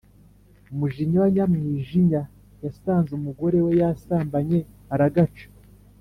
Mujinya wa Nyamwijinya yasanze umugore we yasambanye aragaca.